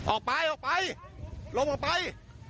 ออกไปลงออกไป